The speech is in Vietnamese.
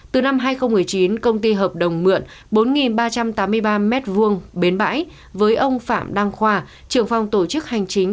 từ năm hai nghìn một mươi chín công ty hợp đồng mượn bốn ba trăm tám mươi ba m hai bến bãi với ông phạm đăng khoa trưởng phòng tổ chức hành chính